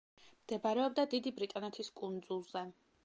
მდებარეობდა დიდი ბრიტანეთის კუნძულზე.